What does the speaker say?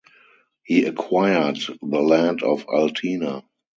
He acquired the Land of Altena.